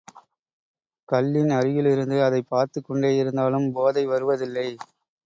கள்ளின் அருகிலிருந்து அதைப் பார்த்துக்கொண்டேயிருந்தாலும் போதைவருவதில்லை.